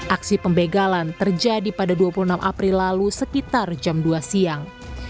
aksi pembegalan terjadi pada dua puluh enam april lalu sekitar jam dua siang